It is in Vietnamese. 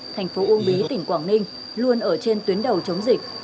thành phố uông bí tỉnh quảng ninh luôn ở trên tuyến đầu chống dịch